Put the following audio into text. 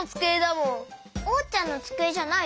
おうちゃんのつくえじゃないよ。